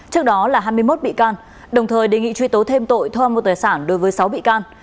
trước đó là hai mươi một bị can đồng thời đề nghị truy tố thêm tội tha mô tài sản đối với sáu bị can